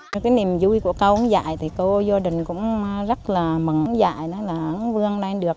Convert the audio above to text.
cái niềm vui của cô dạy thì cô gia đình cũng rất là mừng dạy nó vương lên được